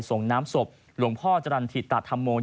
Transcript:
ส่งน้ำศพหลวงพ่อจรันทิตธัธรรมน์